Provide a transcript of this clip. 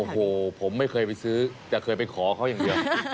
โอ้โหผมไม่เคยไปซื้อแต่เคยไปขอเขาอย่างเดียว